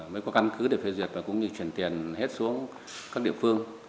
mới có căn cứ để phê duyệt và cũng như chuyển tiền hết xuống các địa phương